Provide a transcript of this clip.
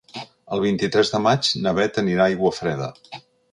El vint-i-tres de maig na Bet anirà a Aiguafreda.